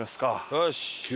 よし。